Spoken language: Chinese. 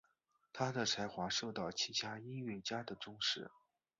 他的才华受到其他音乐家的重视。